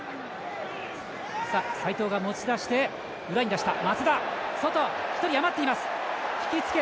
齋藤が持ち出して裏に出した。